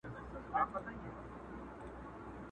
په دعا لاسونه پورته کړه اسمان ته!.